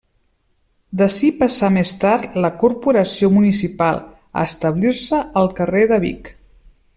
D'ací passà més tard, la Corporació municipal, a establir-se al carrer de Vic.